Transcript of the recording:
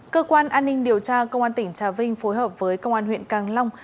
cơ quan an ninh điều tra công an tỉnh trà vinh phối hợp với công an huyện càng long